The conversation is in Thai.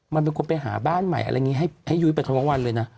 มันเป็นคนไปหาบ้านใหม่อะไรอย่างนี้ให้ยุ้ยไปทั้งวันเลยนะ